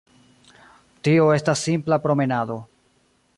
Tio estas simpla promenado.